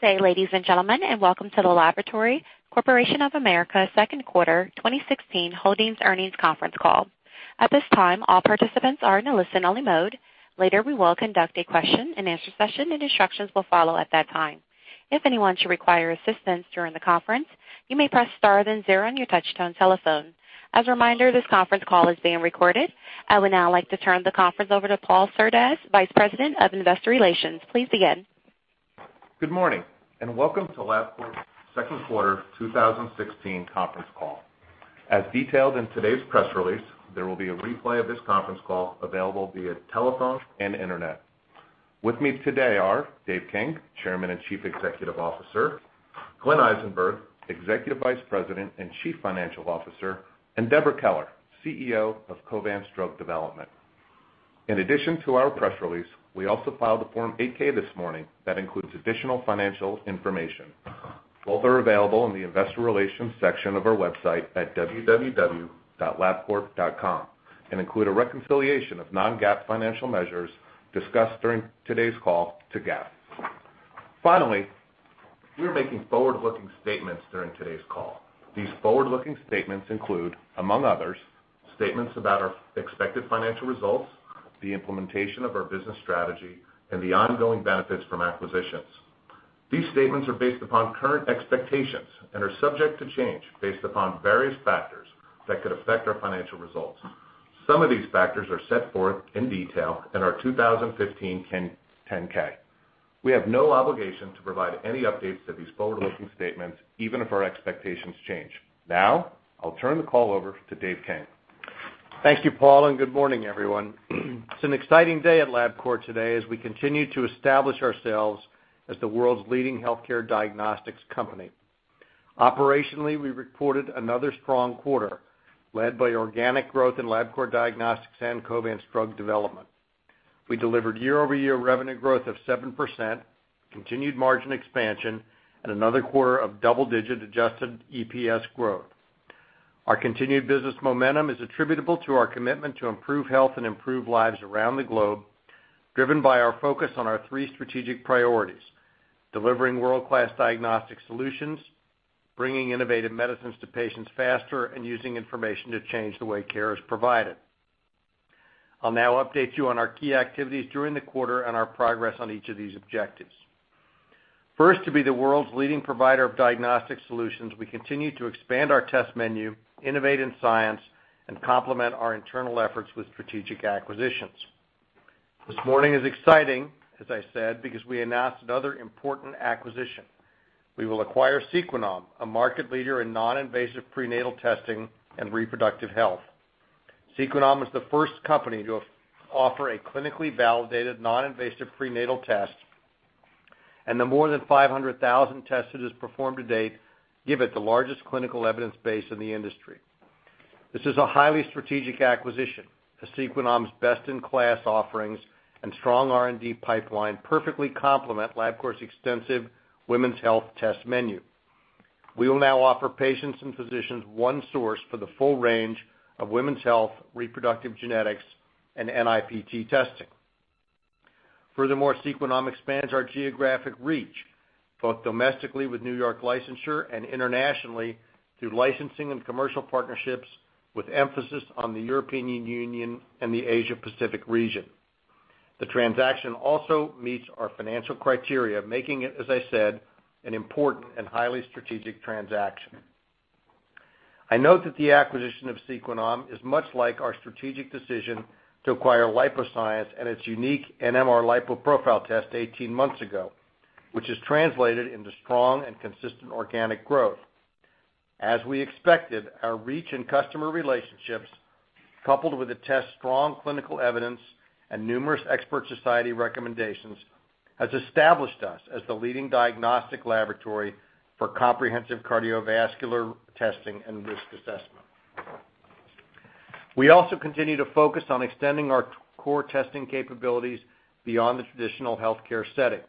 Good day, ladies and gentlemen, and welcome to the Laboratory Corporation of America Second Quarter 2016 Holdings Earnings Conference Call. At this time, all participants are in a listen-only mode. Later, we will conduct a question-and-answer session, and instructions will follow at that time. If anyone should require assistance during the conference, you may press star then zero on your touch-tone telephone. As a reminder, this conference call is being recorded. I would now like to turn the conference over to Paul Surdez, Vice President of Investor Relations. Please begin. Good morning, and welcome to Labcorp's Second Quarter 2016 Conference Call. As detailed in today's press release, there will be a replay of this conference call available via telephone and internet. With me today are Dave King, Chairman and Chief Executive Officer; Glenn Eisenberg, Executive Vice President and Chief Financial Officer; and Deborah Keller, CEO of Covance Drug Development. In addition to our press release, we also filed a Form 8-K this morning that includes additional financial information. Both are available in the Investor Relations section of our website at www.labcorp.com and include a reconciliation of non-GAAP financial measures discussed during today's call to GAAP. Finally, we are making forward-looking statements during today's call. These forward-looking statements include, among others, statements about our expected financial results, the implementation of our business strategy, and the ongoing benefits from acquisitions. These statements are based upon current expectations and are subject to change based upon various factors that could affect our financial results. Some of these factors are set forth in detail in our 2015 10-K. We have no obligation to provide any updates to these forward-looking statements, even if our expectations change. Now, I'll turn the call over to Dave King. Thank you, Paul, and good morning, everyone. It's an exciting day at Labcorp today as we continue to establish ourselves as the world's leading healthcare diagnostics company. Operationally, we reported another strong quarter led by organic growth in Labcorp Diagnostics and Covance Drug Development. We delivered year-over-year revenue growth of 7%, continued margin expansion, and another quarter of double-digit adjusted EPS growth. Our continued business momentum is attributable to our commitment to improve health and improve lives around the globe, driven by our focus on our three strategic priorities: delivering world-class diagnostic solutions, bringing innovative medicines to patients faster, and using information to change the way care is provided. I'll now update you on our key activities during the quarter and our progress on each of these objectives. First, to be the world's leading provider of diagnostic solutions, we continue to expand our test menu, innovate in science, and complement our internal efforts with strategic acquisitions. This morning is exciting, as I said, because we announced another important acquisition. We will acquire Sequenom, a market leader in non-invasive prenatal testing and reproductive health. Sequenom is the first company to offer a clinically validated non-invasive prenatal test, and the more than 500,000 tests it has performed to date give it the largest clinical evidence base in the industry. This is a highly strategic acquisition. Sequenom's best-in-class offerings and strong R&D pipeline perfectly complement Labcorp's extensive women's health test menu. We will now offer patients and physicians one source for the full range of women's health, reproductive genetics, and NIPT testing. Furthermore, Sequenom expands our geographic reach, both domestically with New York licensure and internationally through licensing and commercial partnerships with emphasis on the European Union and the Asia-Pacific region. The transaction also meets our financial criteria, making it, as I said, an important and highly strategic transaction. I note that the acquisition of Sequenom is much like our strategic decision to acquire LipoScience and its unique NMR LipoProfile test 18 months ago, which has translated into strong and consistent organic growth. As we expected, our reach and customer relationships, coupled with the test's strong clinical evidence and numerous expert society recommendations, have established us as the leading diagnostic laboratory for comprehensive cardiovascular testing and risk assessment. We also continue to focus on extending our core testing capabilities beyond the traditional healthcare setting.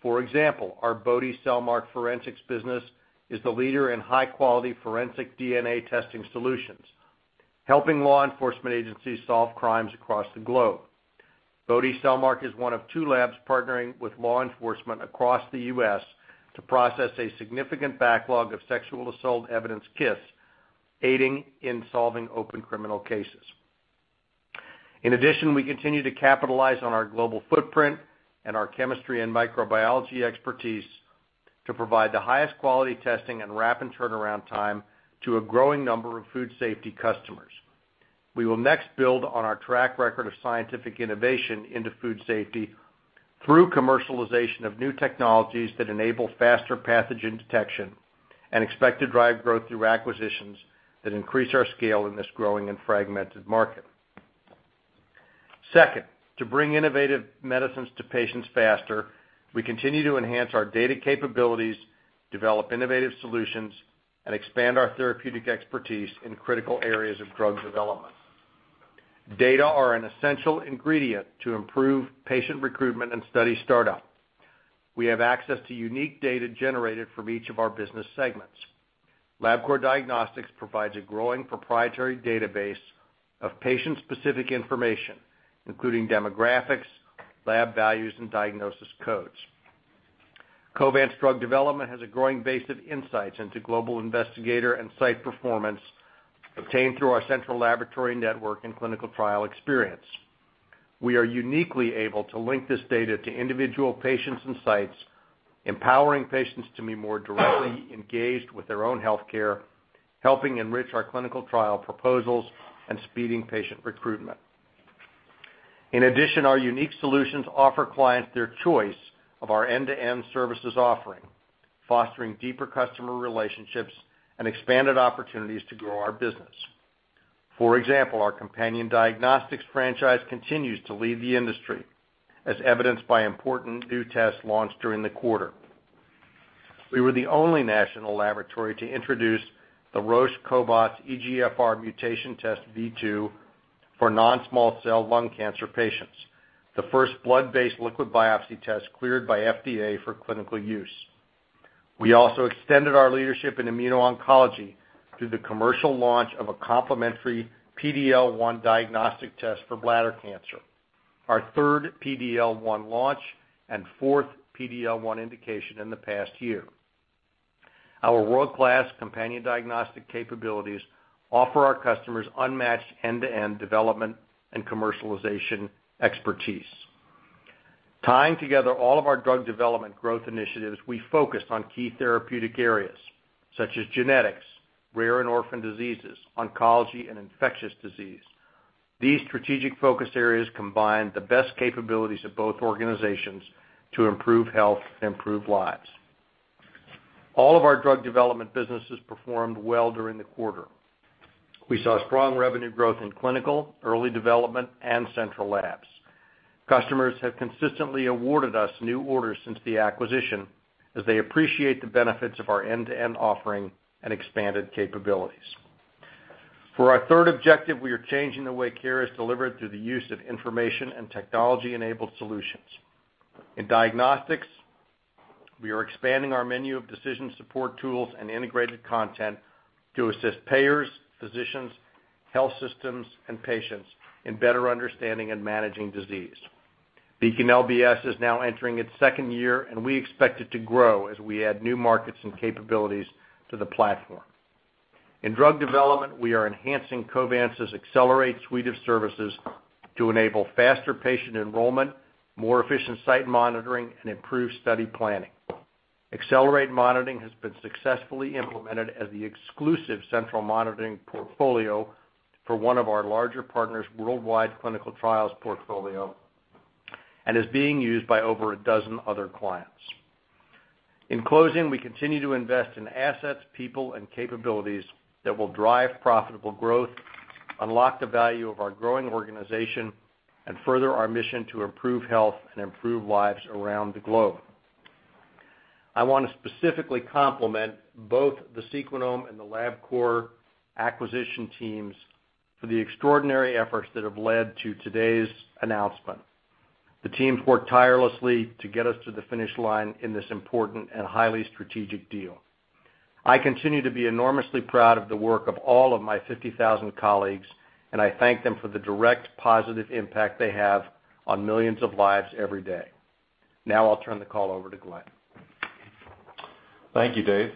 For example, our Bode Cellmark Forensics business is the leader in high-quality forensic DNA testing solutions, helping law enforcement agencies solve crimes across the globe. Bode Cellmark is one of two labs partnering with law enforcement across the U.S. to process a significant backlog of sexual assault evidence kits, aiding in solving open criminal cases. In addition, we continue to capitalize on our global footprint and our chemistry and microbiology expertise to provide the highest quality testing and rapid turnaround time to a growing number of food safety customers. We will next build on our track record of scientific innovation into food safety through commercialization of new technologies that enable faster pathogen detection and expected drive growth through acquisitions that increase our scale in this growing and fragmented market. Second, to bring innovative medicines to patients faster, we continue to enhance our data capabilities, develop innovative solutions, and expand our therapeutic expertise in critical areas of drug development. Data are an essential ingredient to improve patient recruitment and study startup. We have access to unique data generated from each of our business segments. Labcorp Diagnostics provides a growing proprietary database of patient-specific information, including demographics, lab values, and diagnosis codes. Covance Drug Development has a growing base of insights into global investigator and site performance obtained through our central laboratory network and clinical trial experience. We are uniquely able to link this data to individual patients and sites, empowering patients to be more directly engaged with their own healthcare, helping enrich our clinical trial proposals and speeding patient recruitment. In addition, our unique solutions offer clients their choice of our end-to-end services offering, fostering deeper customer relationships and expanded opportunities to grow our business. For example, our companion diagnostics franchise continues to lead the industry, as evidenced by important new tests launched during the quarter. We were the only national laboratory to introduce the Roche cobas EGFR mutation test V2 for non-small cell lung cancer patients, the first blood-based liquid biopsy test cleared by FDA for clinical use. We also extended our leadership in immuno-oncology through the commercial launch of a complementary PD-L1 diagnostic test for bladder cancer, our third PD-L1 launch, and fourth PD-L1 indication in the past year. Our world-class companion diagnostic capabilities offer our customers unmatched end-to-end development and commercialization expertise. Tying together all of our drug development growth initiatives, we focused on key therapeutic areas such as genetics, rare and orphan diseases, oncology, and infectious disease. These strategic focus areas combine the best capabilities of both organizations to improve health and improve lives. All of our drug development businesses performed well during the quarter. We saw strong revenue growth in clinical, early development, and central labs. Customers have consistently awarded us new orders since the acquisition as they appreciate the benefits of our end-to-end offering and expanded capabilities. For our third objective, we are changing the way care is delivered through the use of information and technology-enabled solutions. In diagnostics, we are expanding our menu of decision support tools and integrated content to assist payers, physicians, health systems, and patients in better understanding and managing disease. BeaconLBS is now entering its second year, and we expect it to grow as we add new markets and capabilities to the platform. In drug development, we are enhancing Covance's Xcellerate suite of services to enable faster patient enrollment, more efficient site monitoring, and improved study planning. Xcellerate monitoring has been successfully implemented as the exclusive central monitoring portfolio for one of our larger partners' worldwide clinical trials portfolio and is being used by over a dozen other clients. In closing, we continue to invest in assets, people, and capabilities that will drive profitable growth, unlock the value of our growing organization, and further our mission to improve health and improve lives around the globe. I want to specifically compliment both the Sequenom and the Labcorp acquisition teams for the extraordinary efforts that have led to today's announcement. The teams worked tirelessly to get us to the finish line in this important and highly strategic deal. I continue to be enormously proud of the work of all of my 50,000 colleagues, and I thank them for the direct positive impact they have on millions of lives every day. Now, I'll turn the call over to Glenn. Thank you, Dave.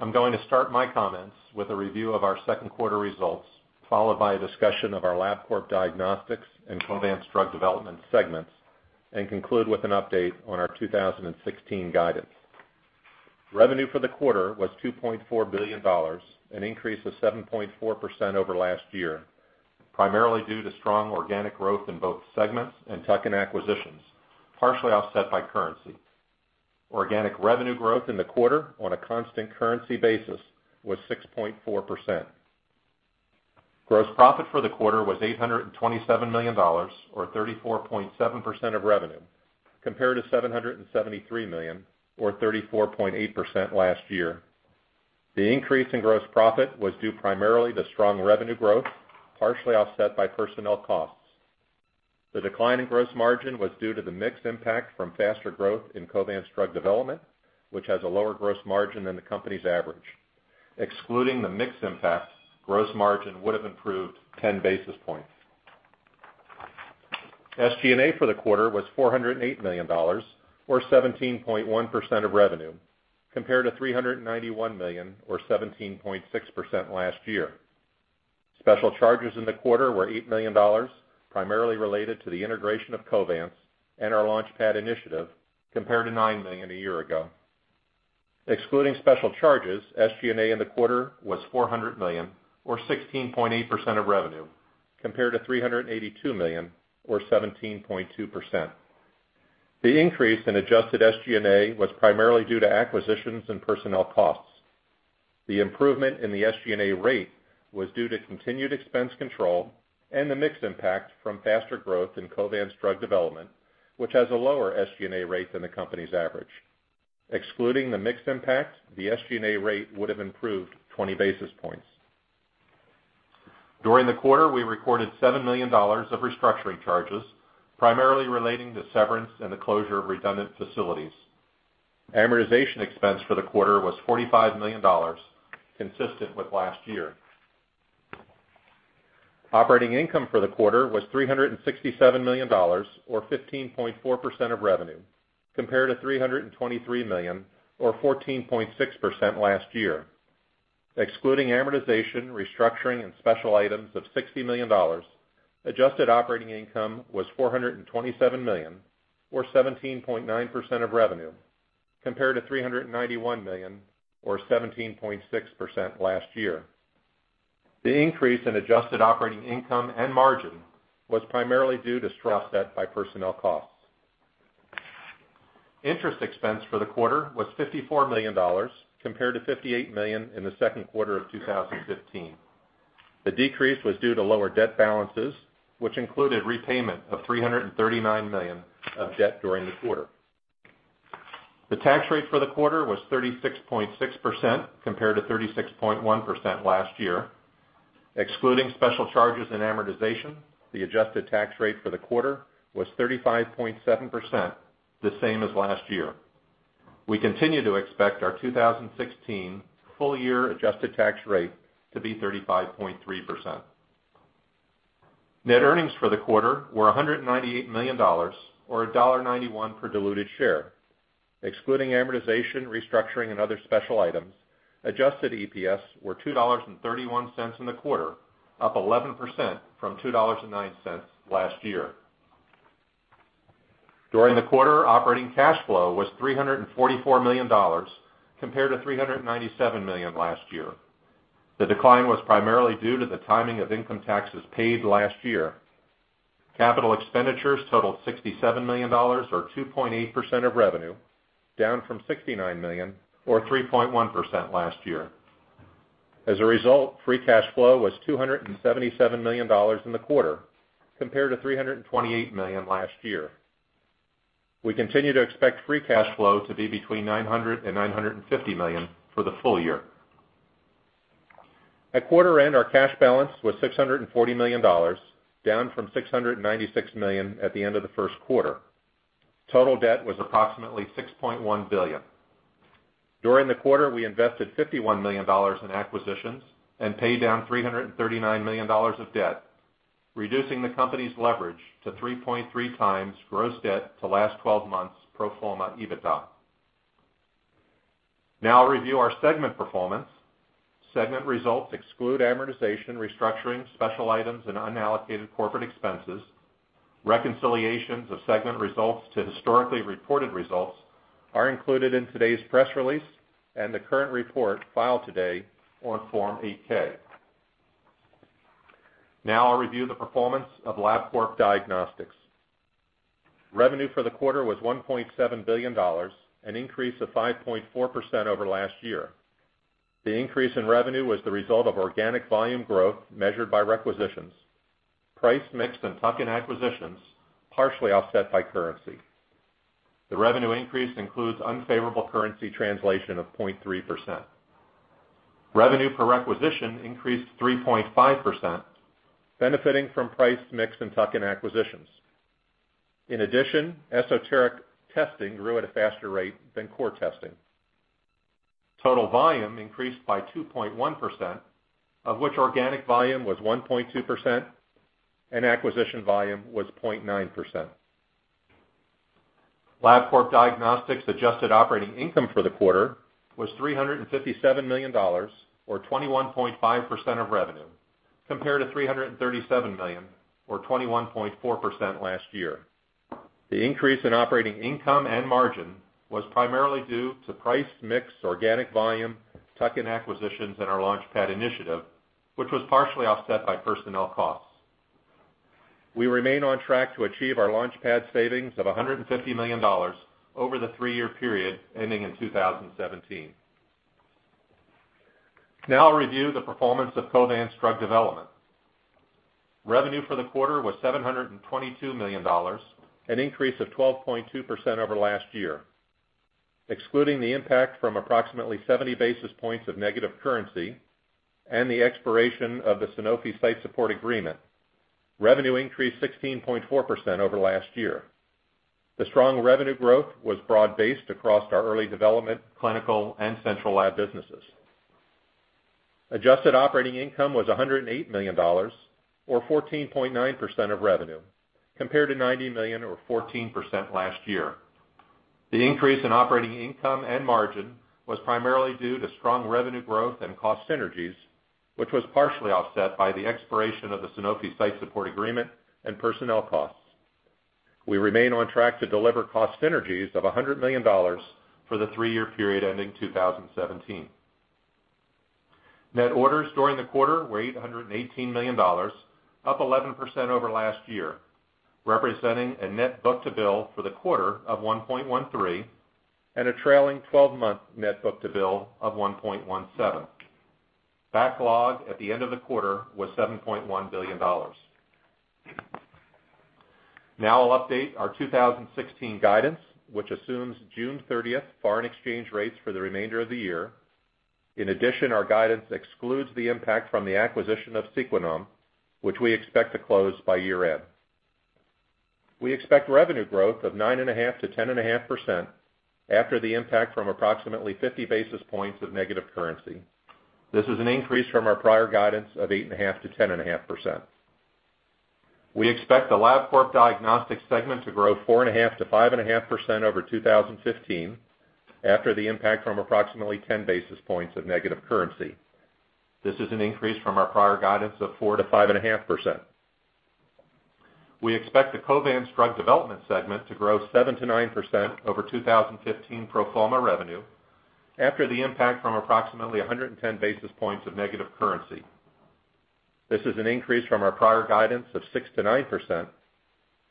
I'm going to start my comments with a review of our second quarter results, followed by a discussion of our Labcorp Diagnostics and Covance Drug Development segments, and conclude with an update on our 2016 guidance. Revenue for the quarter was $2.4 billion, an increase of 7.4% over last year, primarily due to strong organic growth in both segments and tuck-in acquisitions, partially offset by currency. Organic revenue growth in the quarter on a constant currency basis was 6.4%. Gross profit for the quarter was $827 million, or 34.7% of revenue, compared to $773 million, or 34.8% last year. The increase in gross profit was due primarily to strong revenue growth, partially offset by personnel costs. The decline in gross margin was due to the mixed impact from faster growth in Covance Drug Development, which has a lower gross margin than the company's average. Excluding the mixed impact, gross margin would have improved 10 basis points. SG&A for the quarter was $408 million, or 17.1% of revenue, compared to $391 million, or 17.6% last year. Special charges in the quarter were $8 million, primarily related to the integration of Covance and our LaunchPad initiative, compared to $9 million a year ago. Excluding special charges, SG&A in the quarter was $400 million, or 16.8% of revenue, compared to $382 million, or 17.2%. The increase in adjusted SG&A was primarily due to acquisitions and personnel costs. The improvement in the SG&A rate was due to continued expense control and the mixed impact from faster growth in Covance Drug Development, which has a lower SG&A rate than the company's average. Excluding the mixed impact, the SG&A rate would have improved 20 basis points. During the quarter, we recorded $7 million of restructuring charges, primarily relating to severance and the closure of redundant facilities. Amortization expense for the quarter was $45 million, consistent with last year. Operating income for the quarter was $367 million, or 15.4% of revenue, compared to $323 million, or 14.6% last year. Excluding amortization, restructuring, and special items of $60 million, adjusted operating income was $427 million, or 17.9% of revenue, compared to $391 million, or 17.6% last year. The increase in adjusted operating income and margin was primarily due to stress offset by personnel costs. Interest expense for the quarter was $54 million, compared to $58 million in the second quarter of 2015. The decrease was due to lower debt balances, which included repayment of $339 million of debt during the quarter. The tax rate for the quarter was 36.6%, compared to 36.1% last year. Excluding special charges and amortization, the adjusted tax rate for the quarter was 35.7%, the same as last year. We continue to expect our 2016 full-year adjusted tax rate to be 35.3%. Net earnings for the quarter were $198 million, or $1.91 per diluted share. Excluding amortization, restructuring, and other special items, adjusted EPS were $2.31 in the quarter, up 11% from $2.09 last year. During the quarter, operating cash flow was $344 million, compared to $397 million last year. The decline was primarily due to the timing of income taxes paid last year. Capital expenditures totaled $67 million, or 2.8% of revenue, down from $69 million, or 3.1% last year. As a result, free cash flow was $277 million in the quarter, compared to $328 million last year. We continue to expect free cash flow to be between $900 and $950 million for the full year. At quarter end, our cash balance was $640 million, down from $696 million at the end of the first quarter. Total debt was approximately $6.1 billion. During the quarter, we invested $51 million in acquisitions and paid down $339 million of debt, reducing the company's leverage to 3.3 times gross debt to last 12 months pro forma EBITDA. Now, I'll review our segment performance. Segment results exclude amortization, restructuring, special items, and unallocated corporate expenses. Reconciliations of segment results to historically reported results are included in today's press release and the current report filed today on Form 8-K. Now, I'll review the performance of Labcorp Diagnostics. Revenue for the quarter was $1.7 billion, an increase of 5.4% over last year. The increase in revenue was the result of organic volume growth measured by requisitions, price mix and tuck-in acquisitions, partially offset by currency. The revenue increase includes unfavorable currency translation of 0.3%. Revenue per requisition increased 3.5%, benefiting from price mix and tuck-in acquisitions. In addition, esoteric testing grew at a faster rate than core testing. Total volume increased by 2.1%, of which organic volume was 1.2% and acquisition volume was 0.9%. Labcorp Diagnostics' Adjusted Operating Income for the quarter was $357 million, or 21.5% of revenue, compared to $337 million, or 21.4% last year. The increase in operating income and margin was primarily due to price mix, organic volume, tuck-in acquisitions, and our LaunchPad initiative, which was partially offset by personnel costs. We remain on track to achieve our LaunchPad savings of $150 million over the three-year period ending in 2017. Now, I'll review the performance of Covance Drug Development. Revenue for the quarter was $722 million, an increase of 12.2% over last year. Excluding the impact from approximately 70 basis points of negative currency and the expiration of the Sanofi site support agreement, revenue increased 16.4% over last year. The strong revenue growth was broad-based across our early development, clinical, and central lab businesses. Adjusted Operating Income was $108 million, or 14.9% of revenue, compared to $90 million, or 14% last year. The increase in operating income and margin was primarily due to strong revenue growth and cost synergies, which was partially offset by the expiration of the Sanofi site support agreement and personnel costs. We remain on track to deliver cost synergies of $100 million for the three-year period ending 2017. Net orders during the quarter were $818 million, up 11% over last year, representing a net book-to-bill for the quarter of 1.13 and a trailing 12-month net book-to-bill of 1.17. Backlog at the end of the quarter was $7.1 billion. Now, I'll update our 2016 guidance, which assumes June 30th foreign exchange rates for the remainder of the year. In addition, our guidance excludes the impact from the acquisition of Sequenom, which we expect to close by year-end. We expect revenue growth of 9.5%-10.5% after the impact from approximately 50 basis points of negative currency. This is an increase from our prior guidance of 8.5%-10.5%. We expect the Labcorp Diagnostics segment to grow 4.5%-5.5% over 2015 after the impact from approximately 10 basis points of negative currency. This is an increase from our prior guidance of 4%-5.5%. We expect the Covance Drug Development segment to grow 7%-9% over 2015 pro forma revenue after the impact from approximately 110 basis points of negative currency. This is an increase from our prior guidance of 6%-9%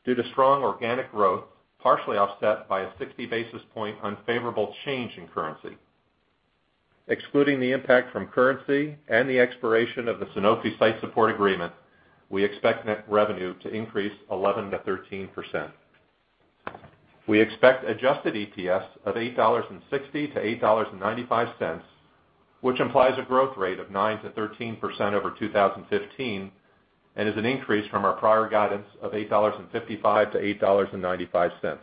due to strong organic growth, partially offset by a 60 basis point unfavorable change in currency. Excluding the impact from currency and the expiration of the Sanofi site support agreement, we expect net revenue to increase 11%-13%. We expect adjusted EPS of $8.60-$8.95, which implies a growth rate of 9%-13% over 2015 and is an increase from our prior guidance of $8.55-$8.95.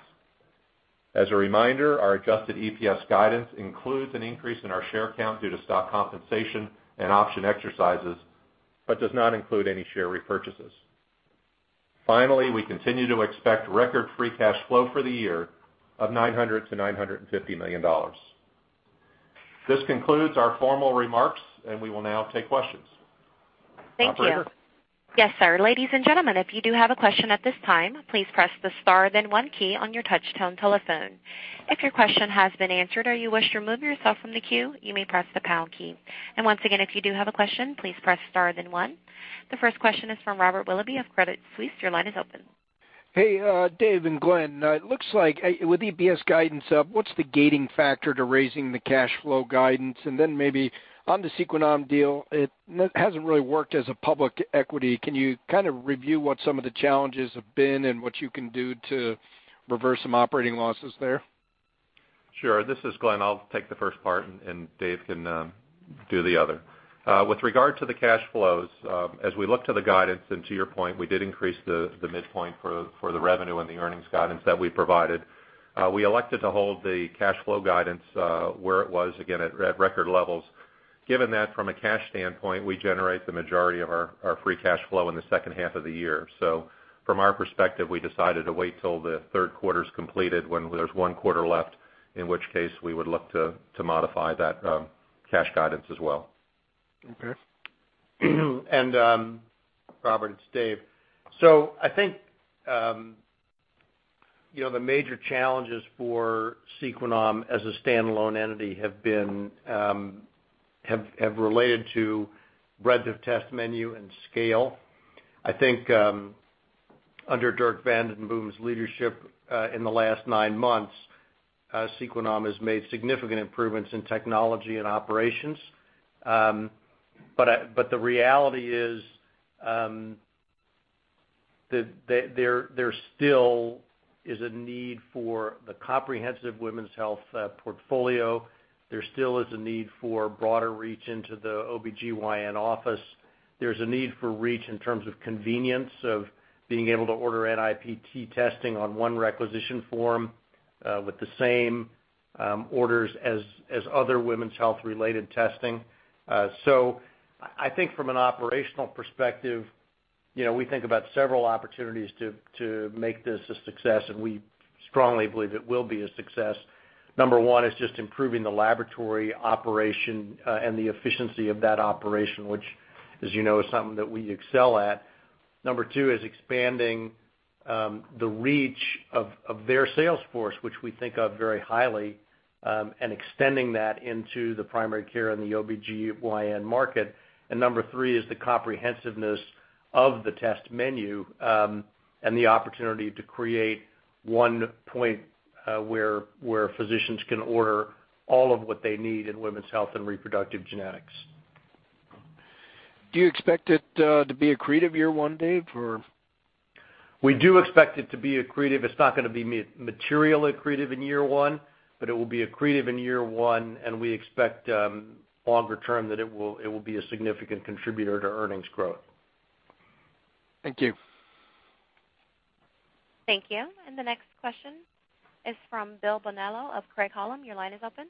As a reminder, our adjusted EPS guidance includes an increase in our share count due to stock compensation and option exercises but does not include any share repurchases. Finally, we continue to expect record free cash flow for the year of $900-$950 million. This concludes our formal remarks, and we will now take questions. Thank you. Operator? Yes, sir. Ladies and gentlemen, if you do have a question at this time, please press the star, then one key on your touch-tone telephone. If your question has been answered or you wish to remove yourself from the queue, you may press the pound key. Once again, if you do have a question, please press star, then one. The first question is from Robert Willoughby of Credit Suisse. Your line is open. Dave and Glenn, it looks like with EPS guidance up, what's the gating factor to raising the cash flow guidance? And then maybe on the Sequenom deal, it hasn't really worked as a public equity. Can you kind of review what some of the challenges have been and what you can do to reverse some operating losses there? Sure. This is Glenn. I'll take the first part, and Dave can do the other. With regard to the cash flows, as we look to the guidance, and to your point, we did increase the midpoint for the revenue and the earnings guidance that we provided. We elected to hold the cash flow guidance where it was, again, at record levels. Given that from a cash standpoint, we generate the majority of our free cash flow in the second half of the year. From our perspective, we decided to wait till the third quarter is completed when there's one quarter left, in which case we would look to modify that cash guidance as well. Okay. Robert, it's Dave. I think the major challenges for Sequenom as a standalone entity have related to breadth of test menu and scale. I think under Dirk van den Boom's leadership in the last nine months, Sequenom has made significant improvements in technology and operations. The reality is there still is a need for the comprehensive women's health portfolio. There still is a need for broader reach into the OB-GYN office. There is a need for reach in terms of convenience of being able to order NIPT testing on one requisition form with the same orders as other women's health-related testing. I think from an operational perspective, we think about several opportunities to make this a success, and we strongly believe it will be a success. Number one is just improving the laboratory operation and the efficiency of that operation, which, as you know, is something that we excel at. Number two is expanding the reach of their sales force, which we think of very highly, and extending that into the primary care and the OB-GYN market. Number three is the comprehensiveness of the test menu and the opportunity to create one point where physicians can order all of what they need in women's health and reproductive genetics. Do you expect it to be accretive year one, Dave, or? We do expect it to be accretive. It's not going to be materially accretive in year one, but it will be accretive in year one, and we expect longer term that it will be a significant contributor to earnings growth. Thank you. Thank you. The next question is from Bill Bonello of Craig Holland. Your line is open.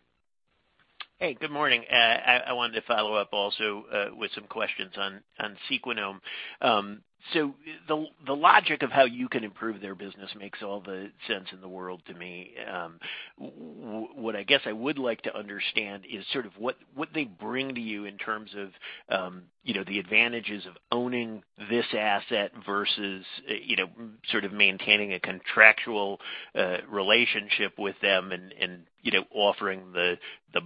Good morning. I wanted to follow up also with some questions on Sequenom. The logic of how you can improve their business makes all the sense in the world to me. What I guess I would like to understand is sort of what they bring to you in terms of the advantages of owning this asset versus sort of maintaining a contractual relationship with them and offering the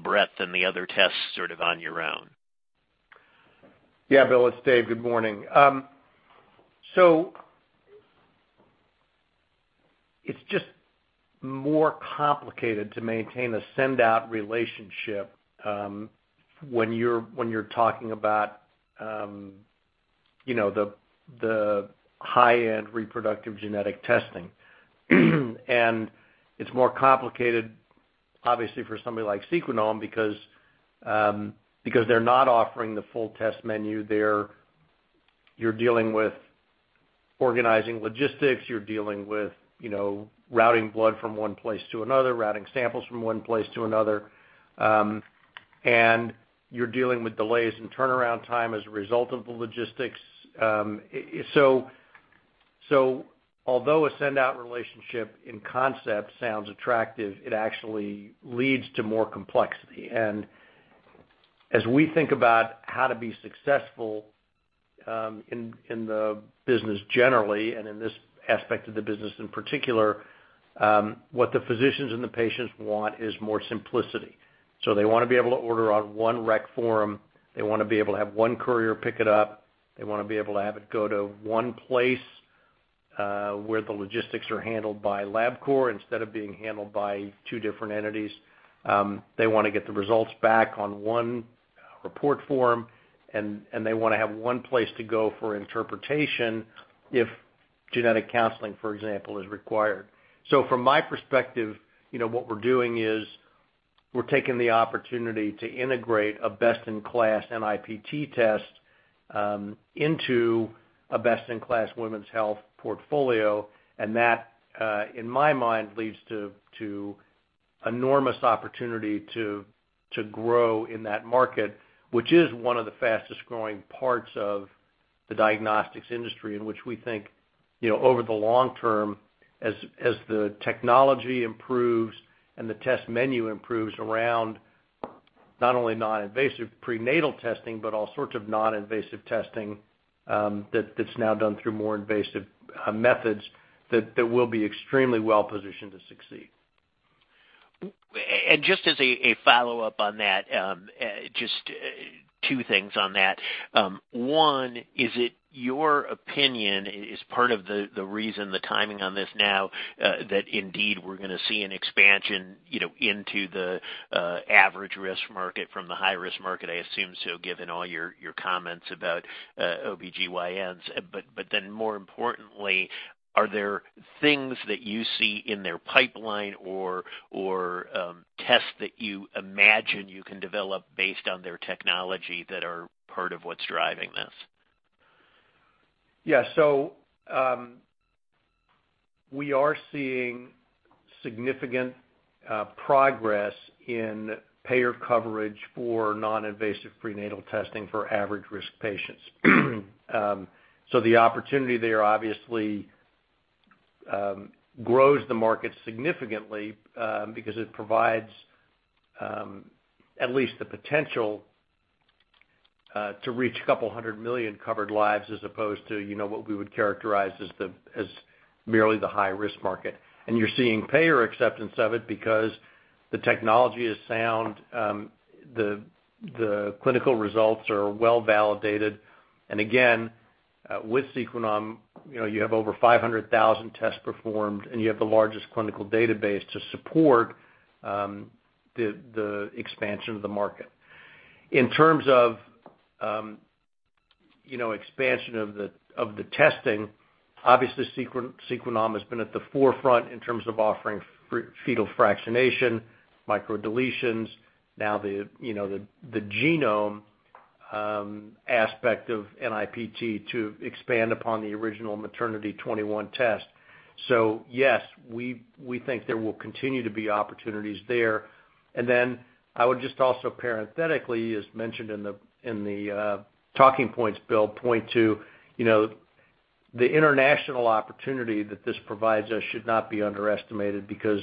breadth and the other tests sort of on your own. Bill. It's Dave. Good morning. It's just more complicated to maintain a send-out relationship when you're talking about the high-end reproductive genetic testing. It's more complicated, obviously, for somebody like Sequenom because they're not offering the full test menu. You're dealing with organizing logistics. You're dealing with routing blood from one place to another, routing samples from one place to another. You're dealing with delays in turnaround time as a result of the logistics. Although a send-out relationship in concept sounds attractive, it actually leads to more complexity. As we think about how to be successful in the business generally and in this aspect of the business in particular, what the physicians and the patients want is more simplicity. They want to be able to order on one rec form. They want to be able to have one courier pick it up. They want to be able to have it go to one place where the logistics are handled by Labcorp instead of being handled by two different entities. They want to get the results back on one report form, and they want to have one place to go for interpretation if genetic counseling, for example, is required. From my perspective, what we're doing is we're taking the opportunity to integrate a best-in-class NIPT test into a best-in-class women's health portfolio. That, in my mind, leads to enormous opportunity to grow in that market, which is one of the fastest-growing parts of the diagnostics industry in which we think over the long term, as the technology improves and the test menu improves around not only non-invasive prenatal testing but all sorts of non-invasive testing that's now done through more invasive methods, that we'll be extremely well-positioned to succeed. Just as a follow-up on that, just two things on that. One, is it your opinion as part of the reason, the timing on this now, that indeed we're going to see an expansion into the average risk market from the high-risk market, I assume, still given all your comments about OB-GYNs? Then more importantly, are there things that you see in their pipeline or tests that you imagine you can develop based on their technology that are part of what's driving this? We are seeing significant progress in payer coverage for non-invasive prenatal testing for average risk patients. The opportunity there obviously grows the market significantly because it provides at least the potential to reach a couple hundred million covered lives as opposed to what we would characterize as merely the high-risk market. You are seeing payer acceptance of it because the technology is sound. The clinical results are well-validated. Again, with Sequenom, you have over 500,000 tests performed, and you have the largest clinical database to support the expansion of the market. In terms of expansion of the testing, obviously, Sequenom has been at the forefront in terms of offering fetal fractionation, microdeletions, now the genome aspect of NIPT to expand upon the original MaterniT 21 test. Yes, we think there will continue to be opportunities there. I would just also parenthetically, as mentioned in the talking points, Bill, point to the international opportunity that this provides us should not be underestimated because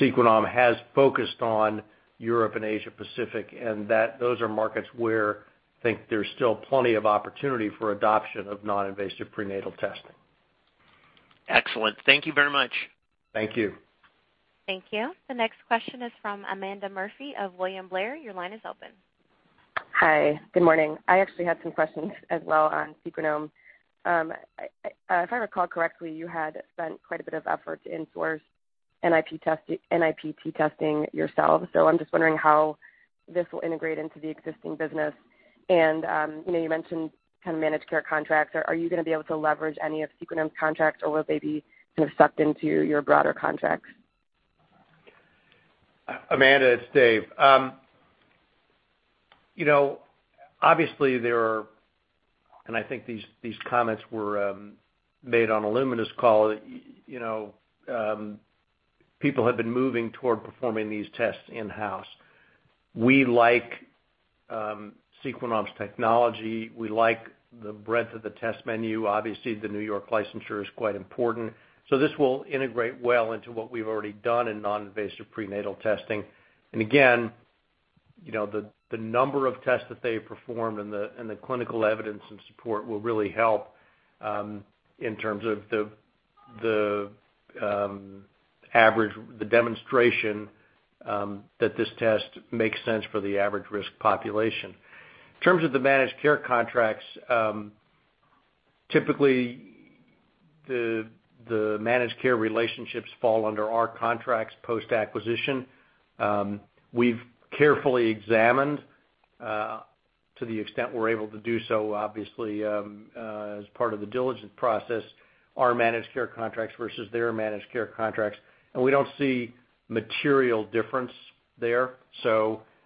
Sequenom has focused on Europe and Asia-Pacific, and those are markets where I think there's still plenty of opportunity for adoption of non-invasive prenatal testing. Excellent. Thank you very much. Thank you. Thank you. The next question is from Amanda Murphy of William Blair. Your line is open. Hi. Good morning. I actually had some questions as well on Sequenom. If I recall correctly, you had spent quite a bit of effort in towards NIPT testing yourself. I'm just wondering how this will integrate into the existing business. You mentioned managed care contracts. Are you going to be able to leverage any of Sequenom's contracts, or will they be sucked into your broader contracts? Amanda, it's Dave. Obviously, there are—and I think these comments were made on Illumina's call—people have been moving toward performing these tests in-house. We like Sequenom's technology. We like the breadth of the test menu. Obviously, the New York licensure is quite important. This will integrate well into what we've already done in non-invasive prenatal testing. Again, the number of tests that they've performed and the clinical evidence and support will really help in terms of the demonstration that this test makes sense for the average risk population. In terms of the managed care contracts, typically, the managed care relationships fall under our contracts post-acquisition. We've carefully examined to the extent we're able to do so, obviously, as part of the diligence process, our managed care contracts versus their managed care contracts. We don't see material difference there.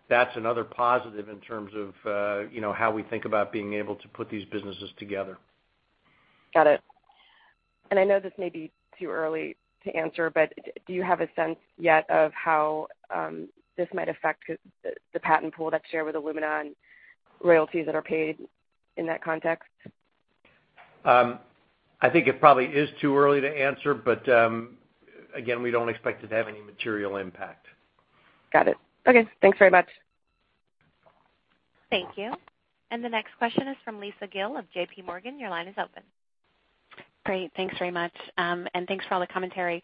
That's another positive in terms of how we think about being able to put these businesses together. Got it. I know this may be too early to answer, but do you have a sense yet of how this might affect the patent pool that's shared with Illumina and royalties that are paid in that context? I think it probably is too early to answer, but again, we do not expect it to have any material impact. Got it. Okay. Thanks very much. Thank you. The next question is from Lisa Gill of JP Morgan. Your line is open. Great. Thanks very much. Thanks for all the commentary.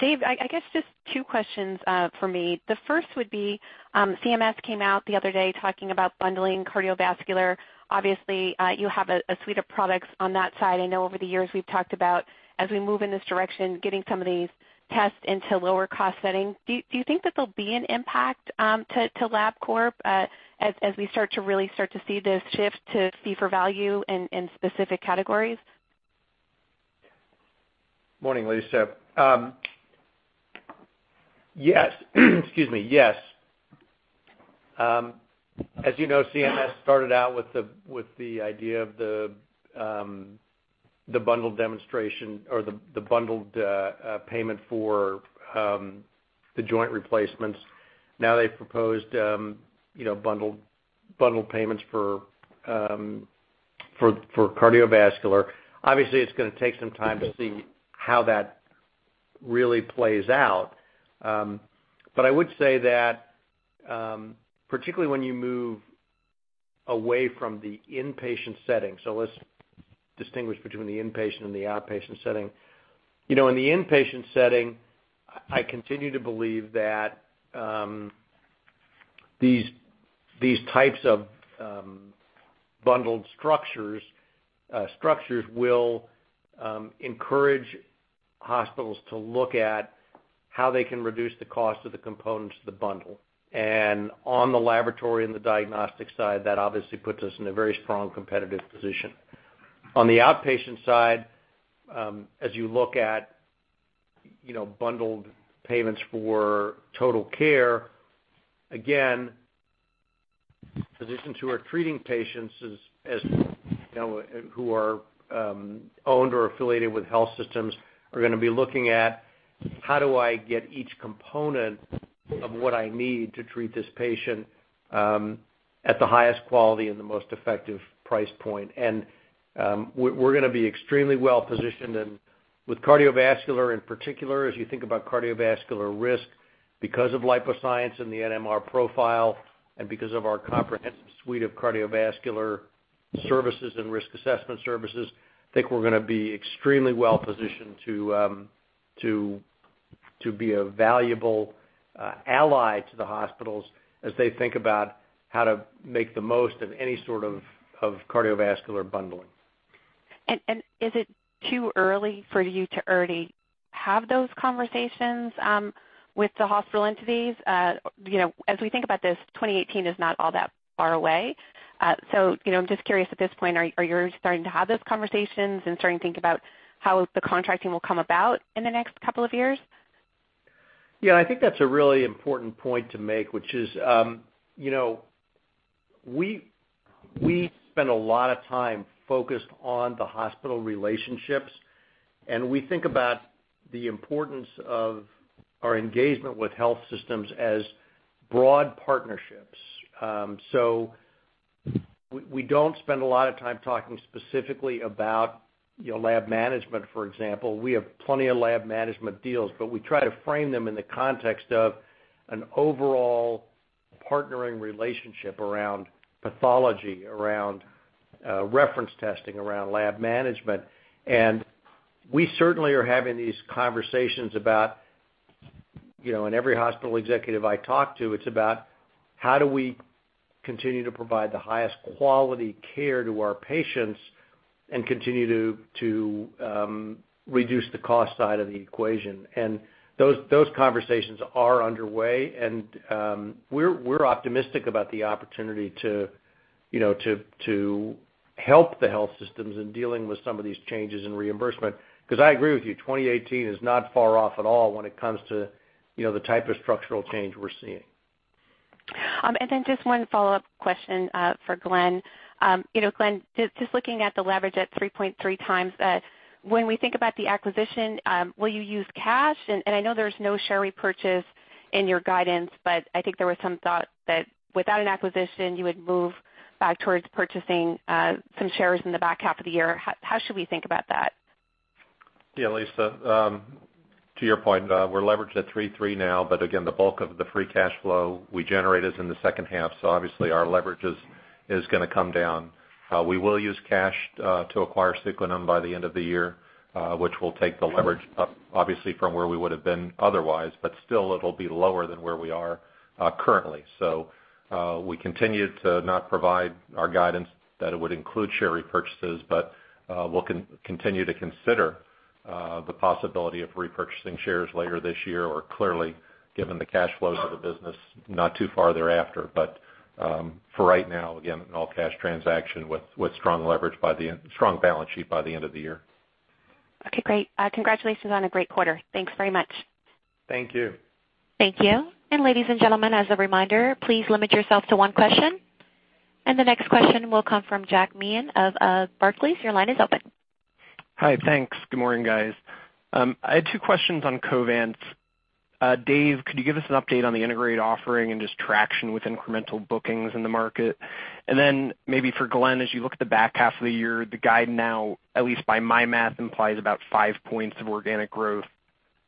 Dave, I guess just two questions for me. The first would be CMS came out the other day talking about bundling cardiovascular. Obviously, you have a suite of products on that side. I know over the years we've talked about, as we move in this direction, getting some of these tests into lower-cost settings. Do you think that there'll be an impact to Labcorp as we start to really start to see this shift to fee-for-value in specific categories? Morning, Lisa. Yes. Excuse me. Yes. As you know, CMS started out with the idea of the bundled demonstration or the bundled payment for the joint replacements. Now they've proposed bundled payments for cardiovascular. Obviously, it's going to take some time to see how that really plays out. I would say that particularly when you move away from the inpatient setting—so let's distinguish between the inpatient and the outpatient setting—in the inpatient setting, I continue to believe that these types of bundled structures will encourage hospitals to look at how they can reduce the cost of the components of the bundle. On the laboratory and the diagnostic side, that obviously puts us in a very strong competitive position. On the outpatient side, as you look at bundled payments for total care, again, physicians who are treating patients who are owned or affiliated with health systems are going to be looking at, "How do I get each component of what I need to treat this patient at the highest quality and the most effective price point?" We are going to be extremely well-positioned. With cardiovascular in particular, as you think about cardiovascular risk because of LipoScience and the NMR LipoProfile and because of our comprehensive suite of cardiovascular services and risk assessment services, I think we are going to be extremely well-positioned to be a valuable ally to the hospitals as they think about how to make the most of any sort of cardiovascular bundling. Is it too early for you to already have those conversations with the hospital entities? As we think about this, 2018 is not all that far away. I'm just curious at this point, are you starting to have those conversations and starting to think about how the contracting will come about in the next couple of years? I think that's a really important point to make, which is we spend a lot of time focused on the hospital relationships, and we think about the importance of our engagement with health systems as broad partnerships. We don't spend a lot of time talking specifically about lab management, for example. We have plenty of lab management deals, but we try to frame them in the context of an overall partnering relationship around pathology, around reference testing, around lab management. We certainly are having these conversations about—in every hospital executive I talk to, it's about, "How do we continue to provide the highest quality care to our patients and continue to reduce the cost side of the equation?" Those conversations are underway, and we're optimistic about the opportunity to help the health systems in dealing with some of these changes in reimbursement because I agree with you. 2018 is not far off at all when it comes to the type of structural change we're seeing. Just one follow-up question for Glenn. Glenn, just looking at the leverage at 3.3 times, when we think about the acquisition, will you use cash? I know there is no share repurchase in your guidance, but I think there was some thought that without an acquisition, you would move back towards purchasing some shares in the back half of the year. How should we think about that? Lisa. To your point, we're leveraged at 3.3 now, but again, the bulk of the free cash flow we generate is in the second half. Obviously, our leverage is going to come down. We will use cash to acquire Sequenom by the end of the year, which will take the leverage up, obviously, from where we would have been otherwise, but still, it'll be lower than where we are currently. We continue to not provide our guidance that it would include share repurchases, but we'll continue to consider the possibility of repurchasing shares later this year or clearly, given the cash flows of the business, not too far thereafter. For right now, again, an all-cash transaction with strong balance sheet by the end of the year. Great. Congratulations on a great quarter. Thanks very much. Thank you. Thank you. Ladies and gentlemen, as a reminder, please limit yourself to one question. The next question will come from Jack Meehan of Barclays. Your line is open. Hi. Thanks. Good morning, guys. I had two questions on Covance. Dave, could you give us an update on the integrated offering and just traction with incremental bookings in the market? Maybe for Glenn, as you look at the back half of the year, the guide now, at least by my math, implies about five points of organic growth.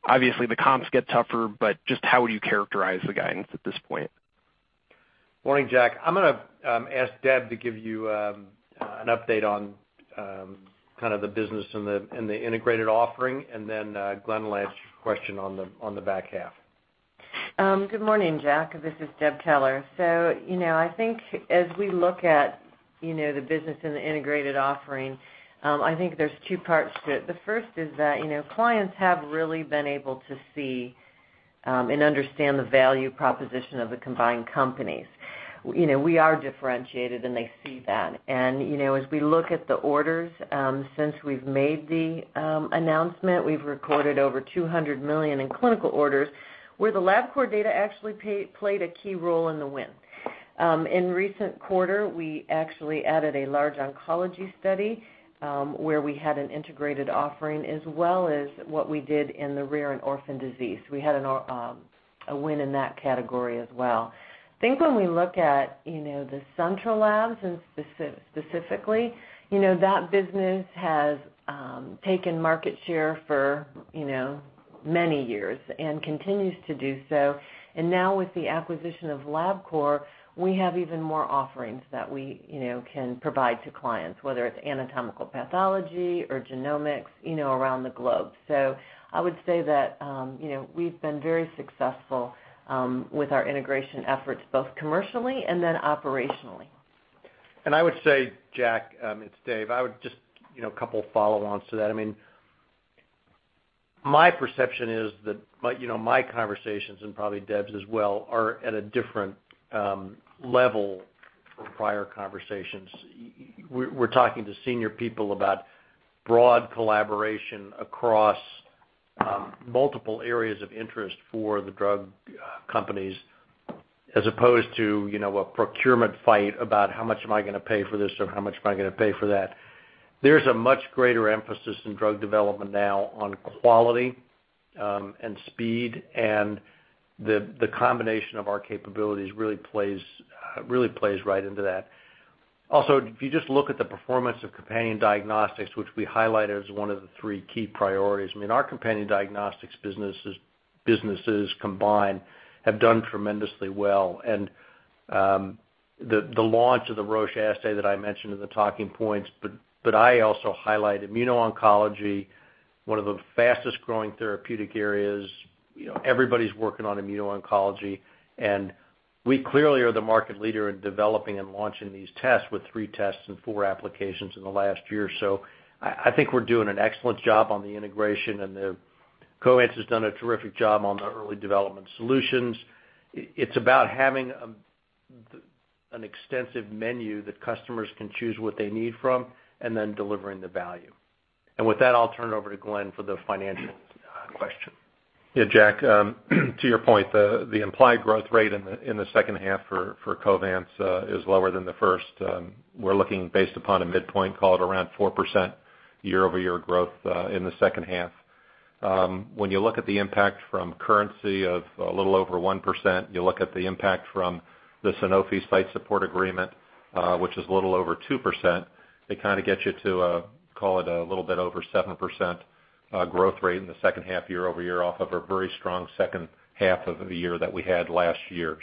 Obviously, the comps get tougher, but just how would you characterize the guidance at this point? Morning, Jack. I'm going to ask Deb to give you an update on kind of the business and the integrated offering, and then Glenn will answer your question on the back half. Good morning, Jack. This is Deborah Keller. I think as we look at the business and the integrated offering, I think there's two parts to it. The first is that clients have really been able to see and understand the value proposition of the combined companies. We are differentiated, and they see that. As we look at the orders, since we've made the announcement, we've recorded over $200 million in clinical orders where the Labcorp data actually played a key role in the win. In recent quarter, we actually added a large oncology study where we had an integrated offering as well as what we did in the rare and orphan disease. We had a win in that category as well. I think when we look at the central labs specifically, that business has taken market share for many years and continues to do so. Now with the acquisition of Labcorp, we have even more offerings that we can provide to clients, whether it's anatomical pathology or genomics around the globe. I would say that we've been very successful with our integration efforts, both commercially and then operationally. I would say, Jack—it's Dave—I would just add a couple of follow-ons to that. I mean, my perception is that my conversations and probably Deb's as well are at a different level from prior conversations. We're talking to senior people about broad collaboration across multiple areas of interest for the drug companies as opposed to a procurement fight about, "How much am I going to pay for this?" or, "How much am I going to pay for that?" There is a much greater emphasis in drug development now on quality and speed, and the combination of our capabilities really plays right into that. Also, if you just look at the performance of companion diagnostics, which we highlighted as one of the three key priorities. I mean, our companion diagnostics businesses combined have done tremendously well. The launch of the Roche assay that I mentioned in the talking points, but I also highlight immuno-oncology, one of the fastest-growing therapeutic areas. Everybody's working on immuno-oncology, and we clearly are the market leader in developing and launching these tests with three tests and four applications in the last year or so. I think we're doing an excellent job on the integration, and Covance has done a terrific job on the early development solutions. It's about having an extensive menu that customers can choose what they need from and then delivering the value. With that, I'll turn it over to Glenn for the financial question. Jack. To your point, the implied growth rate in the second half for Covance is lower than the first. We're looking based upon a midpoint, call it around 4% year-over-year growth in the second half. When you look at the impact from currency of a little over 1%, you look at the impact from the Sanofi site support agreement, which is a little over 2%. It kind of gets you to, call it a little bit over 7% growth rate in the second half year-over-year off of a very strong second half of the year that we had last year.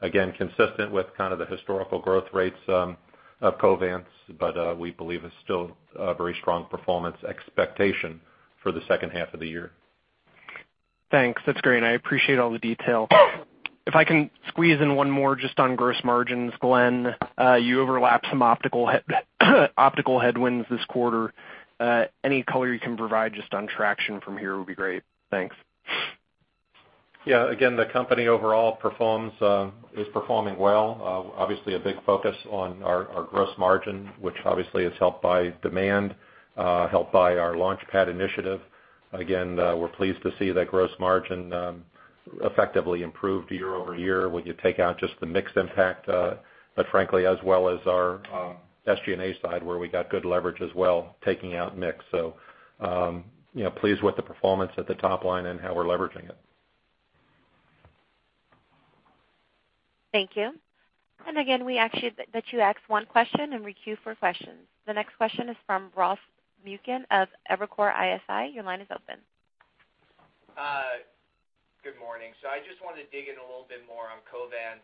Again, consistent with kind of the historical growth rates of Covance, but we believe it's still a very strong performance expectation for the second half of the year. Thanks. That's great. I appreciate all the detail. If I can squeeze in one more just on gross margins, Glenn, you overlapped some optical headwinds this quarter. Any color you can provide just on traction from here would be great. Thanks. Again, the company overall is performing well. Obviously, a big focus on our gross margin, which obviously is helped by demand, helped by our LaunchPad initiative. Again, we're pleased to see that gross margin effectively improved year-over-year when you take out just the mix impact, but frankly, as well as our SG&A side where we got good leverage as well taking out mix. Pleased with the performance at the top line and how we're leveraging it. Thank you. Again, we ask that you ask one question and requeue for questions. The next question is from Ross Muken of Evercore ISI. Your line is open. Good morning. I just wanted to dig in a little bit more on Covance.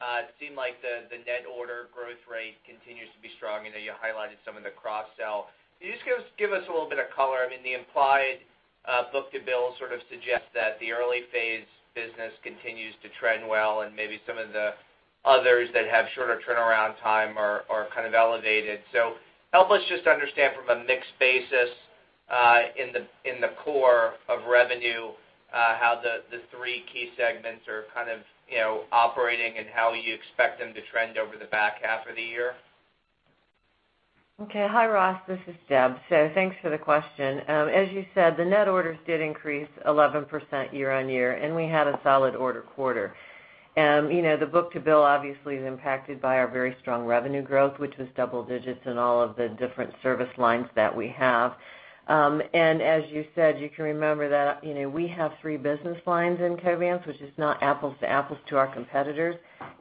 It seemed like the net order growth rate continues to be strong. I know you highlighted some of the cross-sell. Can you just give us a little bit of color? I mean, the implied book-to-bill sort of suggests that the early phase business continues to trend well, and maybe some of the others that have shorter turnaround time are kind of elevated. Help us just understand from a mixed basis in the core of revenue how the three key segments are kind of operating and how you expect them to trend over the back half of the year. Hi, Ross. This is Deb. Thanks for the question. As you said, the net orders did increase 11% year-on-year, and we had a solid order quarter. The book-to-bill obviously is impacted by our very strong revenue growth, which was double digits in all of the different service lines that we have. As you said, you can remember that we have three business lines in Covance, which is not apples-to-apples to our competitors.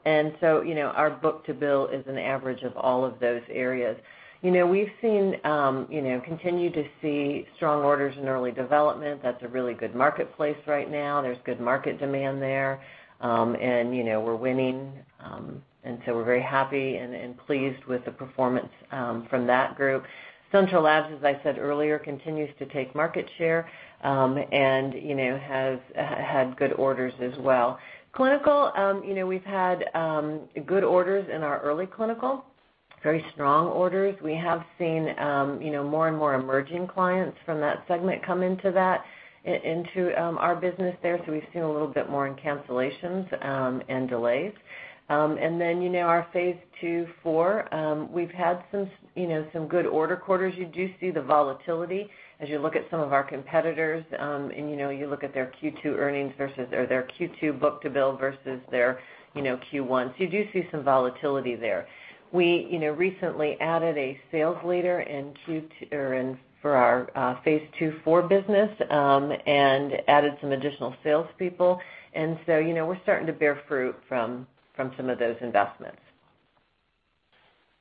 Our book-to-bill is an average of all of those areas. We've seen, continue to see strong orders in early development. That's a really good marketplace right now. There's good market demand there, and we're winning. We are very happy and pleased with the performance from that group. Central Labs, as I said earlier, continues to take market share and has had good orders as well. Clinical, we've had good orders in our early clinical, very strong orders. We have seen more and more emerging clients from that segment come into our business there. We have seen a little bit more in cancellations and delays. In our phase II, IV, we've had some good order quarters. You do see the volatility as you look at some of our competitors, and you look at their Q2 earnings versus or their Q2 book-to-bill versus their Q1. You do see some volatility there. We recently added a sales leader for our phase II, IV business and added some additional salespeople. We are starting to bear fruit from some of those investments.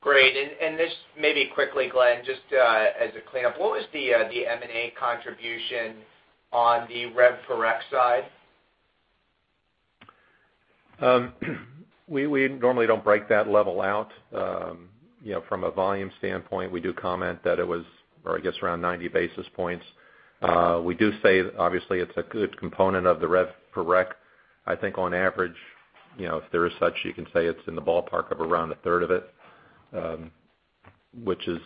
Great. And just maybe quickly, Glenn, just as a cleanup, what was the M&A contribution on the rev-per-rec side? We normally don't break that level out. From a volume standpoint, we do comment that it was, I guess, around 90 basis points. We do say, obviously, it's a good component of the rev-per-rec. I think on average, if there is such, you can say it's in the ballpark of around a third of it, which is,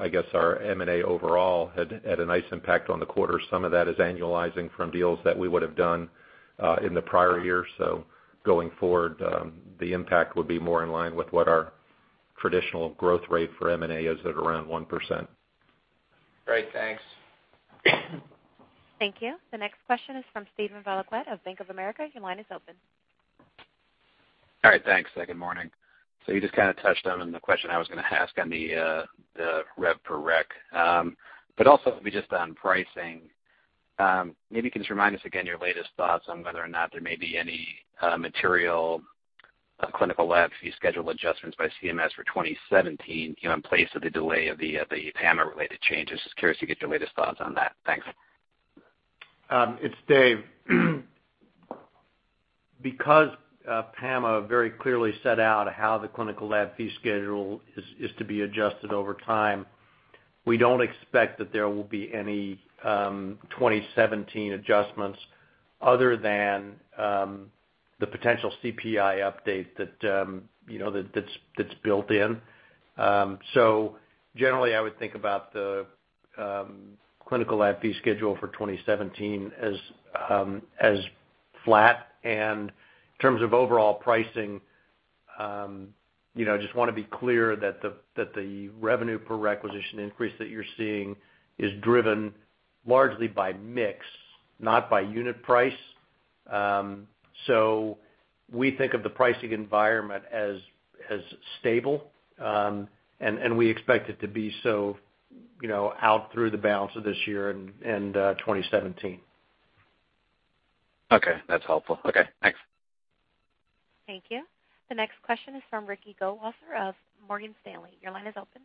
I guess, our M&A overall had a nice impact on the quarter. Some of that is annualizing from deals that we would have done in the prior year. Going forward, the impact would be more in line with what our traditional growth rate for M&A is at around 1%. Great. Thanks. Thank you. The next question is from Steven Valiquette of Bank of America. Your line is open. All right. Thanks. Good morning. You just kind of touched on the question I was going to ask on the rev-per-rec. It'd be just on pricing. Maybe you can just remind us again your latest thoughts on whether or not there may be any material clinical lab fee schedule adjustments by CMS for 2017 in place of the delay of the PAMA-related changes. Just curious to get your latest thoughts on that. Thanks. It's Dave. Because PAMA very clearly set out how the clinical lab fee schedule is to be adjusted over time, we don't expect that there will be any 2017 adjustments other than the potential CPI update that's built in. Generally, I would think about the clinical lab fee schedule for 2017 as flat. In terms of overall pricing, I just want to be clear that the revenue-per-requisition increase that you're seeing is driven largely by mix, not by unit price. We think of the pricing environment as stable, and we expect it to be so out through the balance of this year and 2017. That's helpful. Thanks. Thank you. The next question is from Ricky Goldwasser of Morgan Stanley. Your line is open.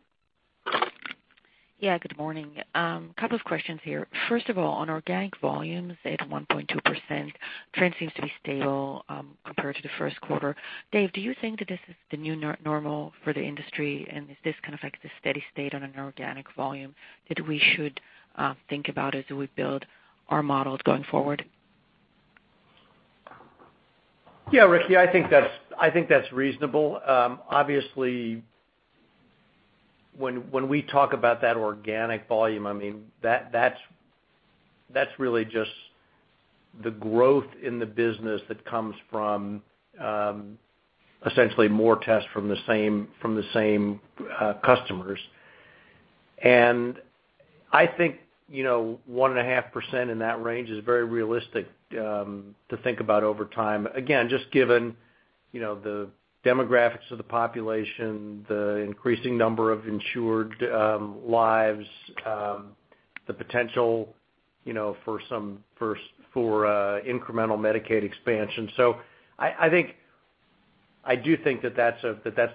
Good morning. A couple of questions here. First of all, on organic volumes at 1.2%, trend seems to be stable compared to the first quarter. Dave, do you think that this is the new normal for the industry? Is this kind of like the steady state on an organic volume that we should think about as we build our models going forward? Ricky, I think that's reasonable. Obviously, when we talk about that organic volume, that's really just the growth in the business that comes from essentially more tests from the same customers. I think 1.5% in that range is very realistic to think about over time. Again, just given the demographics of the population, the increasing number of insured lives, the potential for incremental Medicaid expansion. I do think that that's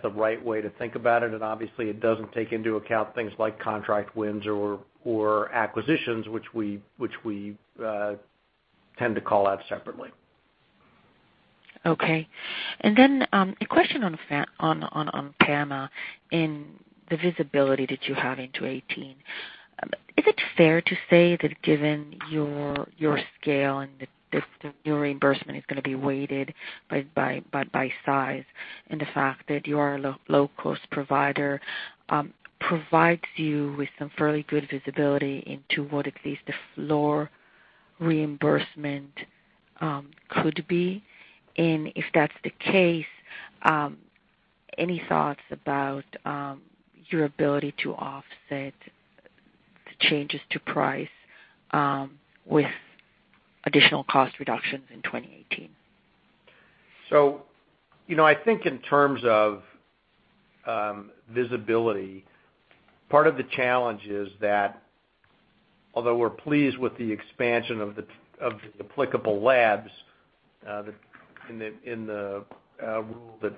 the right way to think about it. Obviously, it doesn't take into account things like contract wins or acquisitions, which we tend to call out separately. And then a question on PAMA and the visibility that you have into 2018. Is it fair to say that given your scale and that the new reimbursement is going to be weighted by size and the fact that you are a low-cost provider provides you with some fairly good visibility into what at least the floor reimbursement could be? If that's the case, any thoughts about your ability to offset the changes to price with additional cost reductions in 2018? I think in terms of visibility, part of the challenge is that although we're pleased with the expansion of the applicable labs in the rule that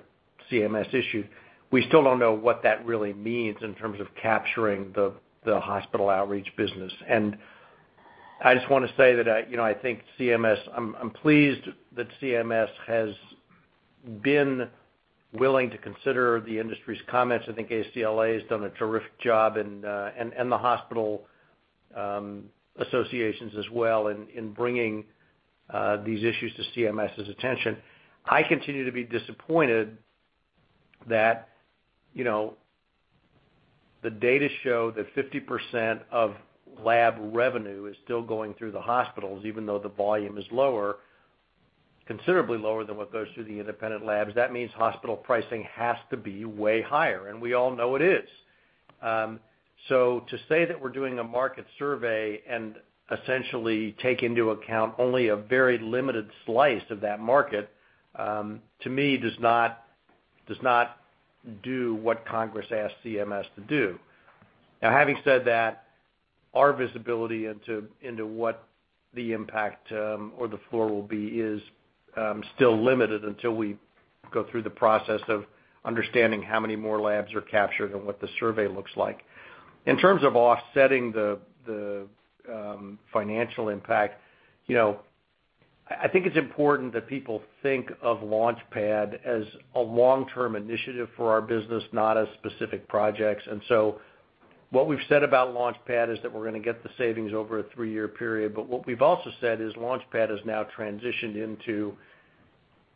CMS issued, we still don't know what that really means in terms of capturing the hospital outreach business. I just want to say that I think CMS, I'm pleased that CMS has been willing to consider the industry's comments. I think ACLA has done a terrific job and the hospital associations as well in bringing these issues to CMS's attention. I continue to be disappointed that the data show that 50% of lab revenue is still going through the hospitals, even though the volume is lower, considerably lower than what goes through the independent labs. That means hospital pricing has to be way higher, and we all know it is. To say that we're doing a market survey and essentially take into account only a very limited slice of that market, to me, does not do what Congress asked CMS to do. Now, having said that, our visibility into what the impact or the floor will be is still limited until we go through the process of understanding how many more labs are captured and what the survey looks like. In terms of offsetting the financial impact, I think it's important that people think of LaunchPad as a long-term initiative for our business, not as specific projects. What we've said about LaunchPad is that we're going to get the savings over a three-year period. What we've also said is LaunchPad has now transitioned into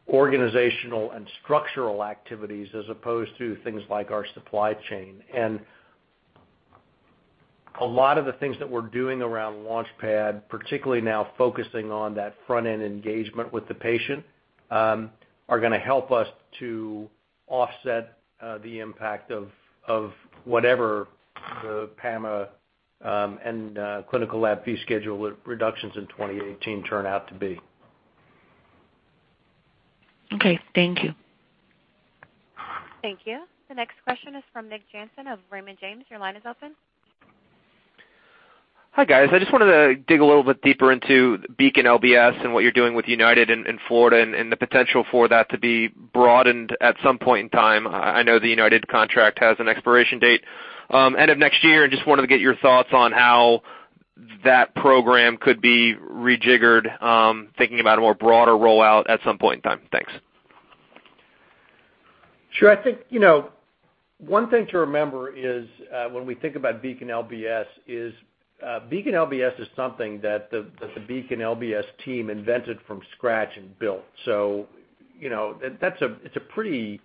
organizational and structural activities as opposed to things like our supply chain. A lot of the things that we're doing around LaunchPad, particularly now focusing on that front-end engagement with the patient, are going to help us to offset the impact of whatever the PAMA and clinical lab fee schedule reductions in 2018 turn out to be. Thank you. Thank you. The next question is from Nick Jansen of Raymond James. Your line is open. Hi, guys. I just wanted to dig a little bit deeper into BeaconLBS and what you're doing with United in Florida and the potential for that to be broadened at some point in time. I know the United contract has an expiration date end of next year, and just wanted to get your thoughts on how that program could be rejiggered, thinking about a more broader rollout at some point in time. Thanks. I think one thing to remember is when we think about BeaconLBS is, BeaconLBS is something that the BeaconLBS team invented from scratch and built. That is a pretty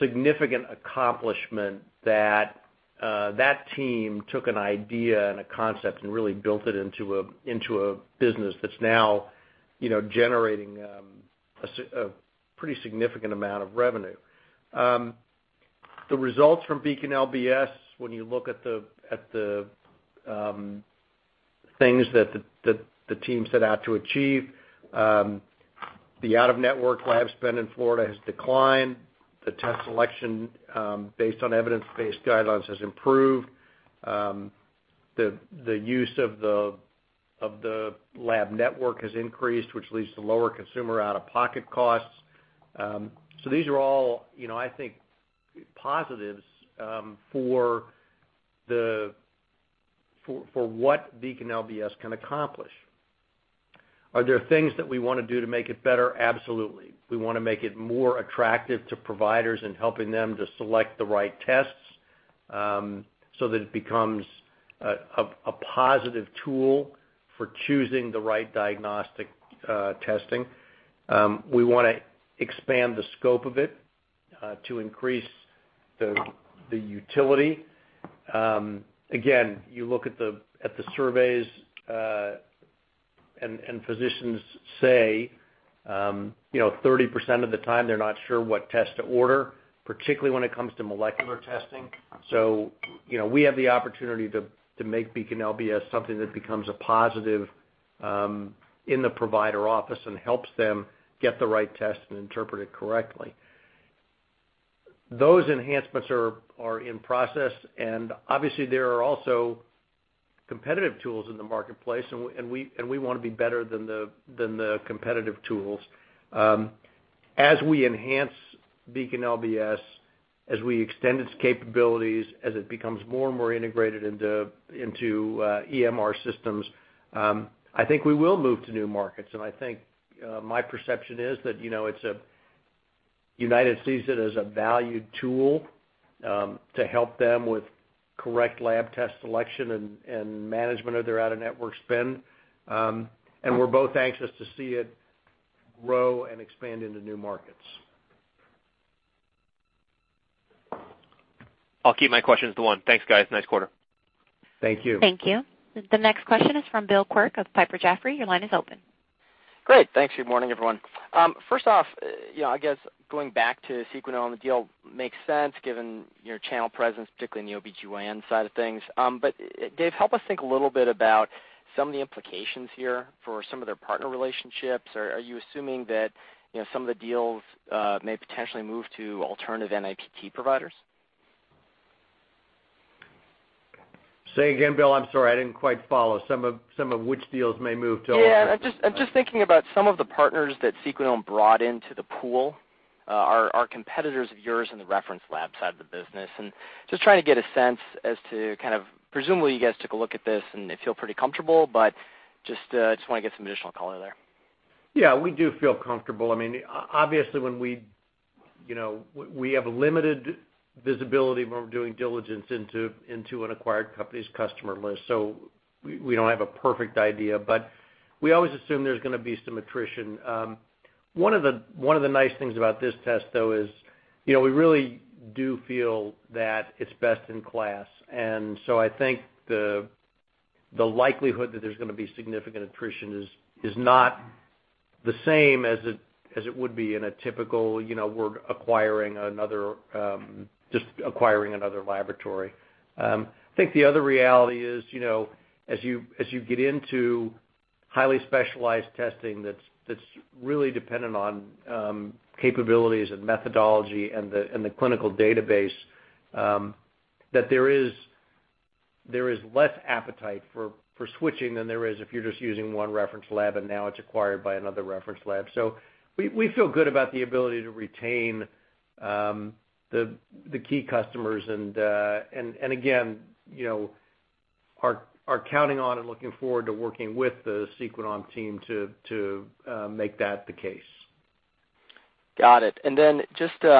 significant accomplishment that that team took an idea and a concept and really built it into a business that is now generating a pretty significant amount of revenue. The results from BeaconLBS, when you look at the things that the team set out to achieve, the out-of-network lab spend in Florida has declined. The test selection based on evidence-based guidelines has improved. The use of the lab network has increased, which leads to lower consumer out-of-pocket costs. These are all, I think, positives for what BeaconLBS can accomplish. Are there things that we want to do to make it better? Absolutely. We want to make it more attractive to providers in helping them to select the right tests so that it becomes a positive tool for choosing the right diagnostic testing. We want to expand the scope of it to increase the utility. Again, you look at the surveys, and physicians say 30% of the time they're not sure what test to order, particularly when it comes to molecular testing. So we have the opportunity to make BeaconLBS something that becomes a positive in the provider office and helps them get the right test and interpret it correctly. Those enhancements are in process. Obviously, there are also competitive tools in the marketplace, and we want to be better than the competitive tools. As we enhance BeaconLBS, as we extend its capabilities, as it becomes more and more integrated into EMR systems, I think we will move to new markets. I think my perception is that United sees it as a valued tool to help them with correct lab test selection and management of their out-of-network spend. We are both anxious to see it grow and expand into new markets. I'll keep my questions to one. Thanks, guys. Nice quarter. Thank you. Thank you. The next question is from Bill Quirk of Piper Jaffray. Your line is open. Great. Thanks. Good morning, everyone. First off, I guess going back to Sequenom, the deal makes sense given your channel presence, particularly in the OB-GYN side of things. Dave, help us think a little bit about some of the implications here for some of their partner relationships. Are you assuming that some of the deals may potentially move to alternative NIPT providers? Say again, Bill. I'm sorry. I didn't quite follow. Some of which deals may move to alternative? Yeah. I'm just thinking about some of the partners that Sequenom brought into the pool are competitors of yours in the reference lab side of the business. Just trying to get a sense as to kind of presumably, you guys took a look at this and feel pretty comfortable, but just want to get some additional color there. We do feel comfortable. Obviously, we have limited visibility when we're doing diligence into an acquired company's customer list, so we don't have a perfect idea. But we always assume there's going to be some attrition. One of the nice things about this test, though, is we really do feel that it's best in class. And so I think the likelihood that there's going to be significant attrition is not the same as it would be in a typical, "We're acquiring another laboratory." I think the other reality is, as you get into highly specialized testing that's really dependent on capabilities and methodology and the clinical database, that there is less appetite for switching than there is if you're just using one reference lab and now it's acquired by another reference lab. So we feel good about the ability to retain the key customers. We are counting on and looking forward to working with the Sequenom team to make that the case. Got it. Just staying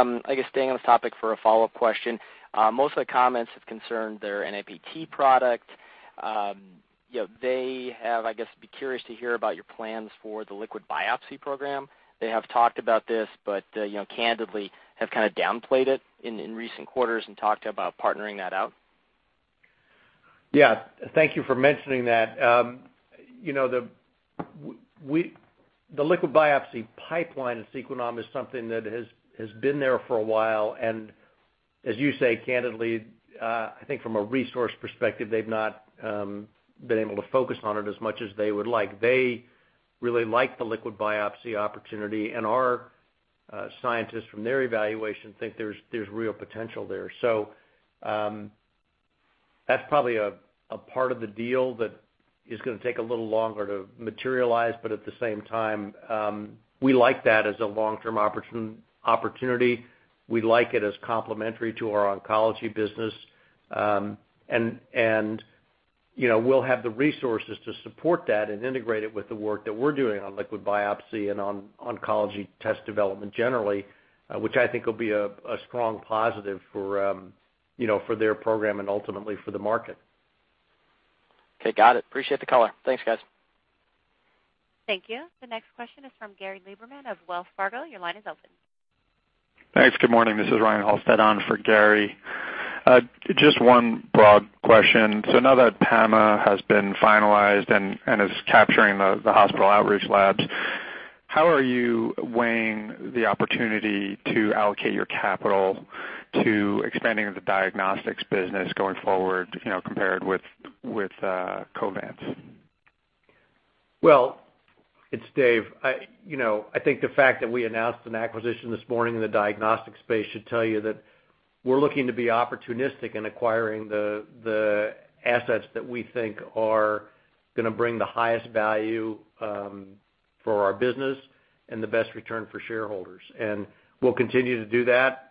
on this topic for a follow-up question, most of the comments have concerned their NIPT product. I'm curious to hear about your plans for the liquid biopsy program. They have talked about this, but candidly have kind of downplayed it in recent quarters and talked about partnering that out. Thank you for mentioning that. The liquid biopsy pipeline at Sequenom is something that has been there for a while. And as you say, candidly, I think from a resource perspective, they've not been able to focus on it as much as they would like. They really like the liquid biopsy opportunity, and our scientists, from their evaluation, think there's real potential there. So that's probably a part of the deal that is going to take a little longer to materialize. At the same time, we like that as a long-term opportunity. We like it as complementary to our oncology business. We'll have the resources to support that and integrate it with the work that we're doing on liquid biopsy and on oncology test development generally, which I think will be a strong positive for their program and ultimately for the market. Got it. Appreciate the color. Thanks, guys. Thank you. The next question is from Gary Lieberman of Wells Fargo. Your line is open. Thanks. Good morning. This is Ryan Halsted on for Gary. Just one broad question. Now that PAMA has been finalized and is capturing the hospital outreach labs, how are you weighing the opportunity to allocate your capital to expanding the diagnostics business going forward compared with Covance? It's Dave. I think the fact that we announced an acquisition this morning in the diagnostics space should tell you that we're looking to be opportunistic in acquiring the assets that we think are going to bring the highest value for our business and the best return for shareholders. We'll continue to do that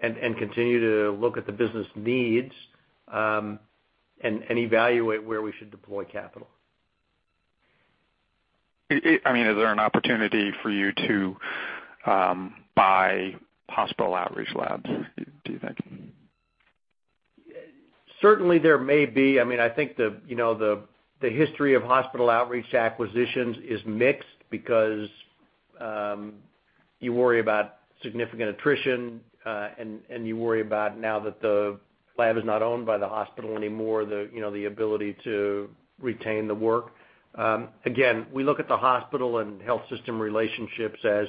and continue to look at the business needs and evaluate where we should deploy capital. I mean, is there an opportunity for you to buy hospital outreach labs, do you think? Certainly, there may be. I think the history of hospital outreach acquisitions is mixed because you worry about significant attrition, and you worry about now that the lab is not owned by the hospital anymore, the ability to retain the work. Again, we look at the hospital and health system relationships as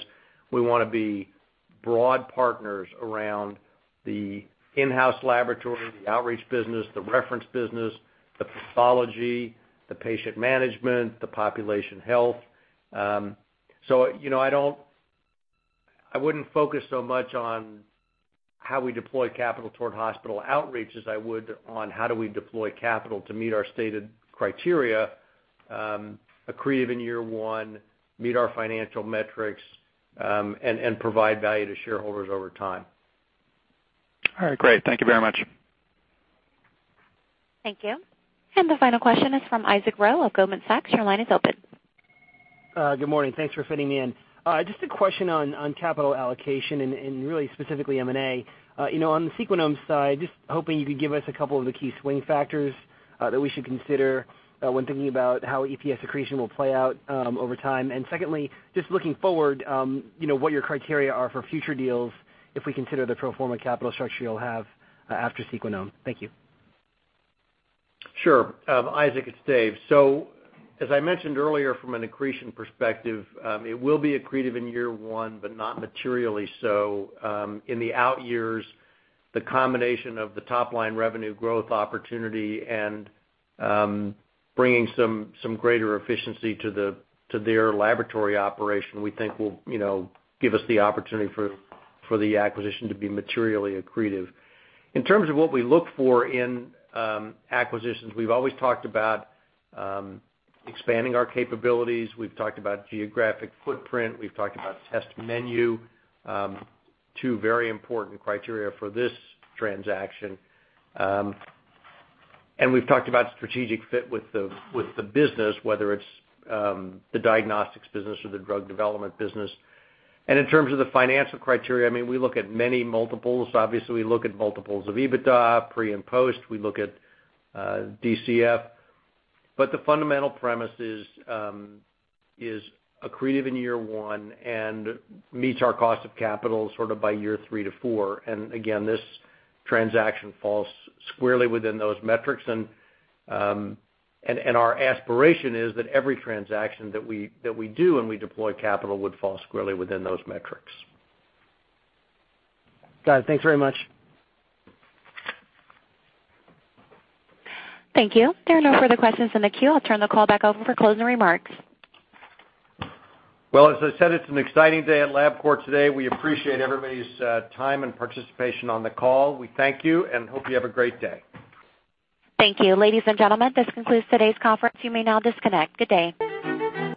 we want to be broad partners around the in-house laboratory, the outreach business, the reference business, the pathology, the patient management, the population health. I would not focus so much on how we deploy capital toward hospital outreach as I would on how do we deploy capital to meet our stated criteria, accretive in year one, meet our financial metrics, and provide value to shareholders over time. All right. Great. Thank you very much. Thank you. The final question is from Isaac Ro of Goldman Sachs. Your line is open. Good morning. Thanks for fitting me in. Just a question on capital allocation and really specifically M&A. On the Sequenom side, just hoping you can give us a couple of the key swing factors that we should consider when thinking about how EPS accretion will play out over time. Secondly, just looking forward, what your criteria are for future deals if we consider the pro forma capital structure you'll have after Sequenom. Thank you. Isaac, it's Dave. As I mentioned earlier, from an accretion perspective, it will be accretive in year one, but not materially so. In the out years, the combination of the top-line revenue growth opportunity and bringing some greater efficiency to their laboratory operation, we think will give us the opportunity for the acquisition to be materially accretive. In terms of what we look for in acquisitions, we've always talked about expanding our capabilities. We've talked about geographic footprint. We've talked about test menu, two very important criteria for this transaction. We've talked about strategic fit with the business, whether it's the diagnostics business or the drug development business. In terms of the financial criteria, I mean, we look at many multiples. Obviously, we look at multiples of EBITDA, pre and post. We look at DCF. The fundamental premise is accretive in year one and meets our cost of capital sort of by year three to four. This transaction falls squarely within those metrics. Our aspiration is that every transaction that we do and we deploy capital would fall squarely within those metrics. Got it. Thanks very much. Thank you. There are no further questions in the queue. I'll turn the call back over for closing remarks. As I said, it's an exciting day at Labcorp today. We appreciate everybody's time and participation on the call. We thank you and hope you have a great day. Thank you. Ladies and gentlemen, this concludes today's conference. You may now disconnect. Good day.